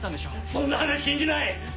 そんな話信じない！